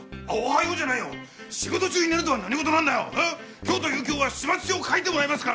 今日という今日は始末書を書いてもらいますからね！